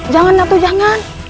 jangan natu jangan